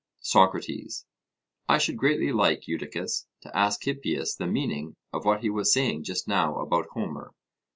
SOCRATES: I should greatly like, Eudicus, to ask Hippias the meaning of what he was saying just now about Homer.